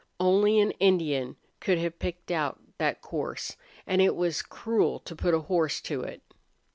Only an Indian could have picked out that course, and it was cruel to put a horse to it.